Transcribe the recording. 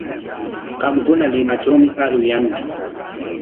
Qamkuna Limatrawmi aruyanki.